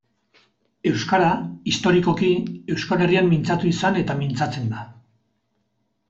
Euskara, historikoki, Euskal Herrian mintzatu izan eta mintzatzen da.